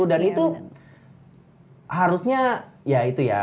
itu harusnya ya itu ya